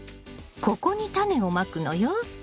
ここにタネをまくのよ。